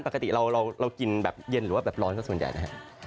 ปกติเรากินแบบเย็นหรือว่าแบบร้อนสักส่วนใหญ่นะครับ